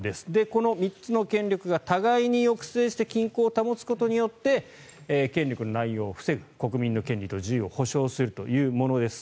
この３つの権力が互いに抑制して均衡を保つことによって権力の乱用を防ぐ国民の権利と自由を保障するというものです。